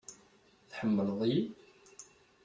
Tḥemmleḍ-iyi?